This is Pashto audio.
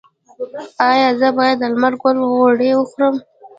ایا زه باید د لمر ګل غوړي وخورم؟